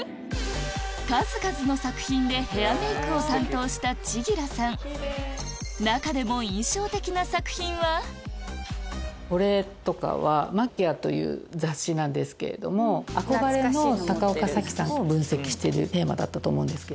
数々の作品でヘアメイクを担当した千吉良さん中でもこれは『ＭＡＱＵＩＡ』という雑誌なんですけれども憧れの高岡早紀さんを分析してるテーマだったと思うんです。